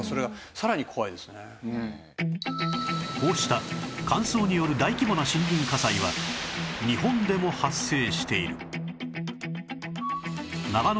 こうした乾燥による大規模な森林火災は日本でも発生している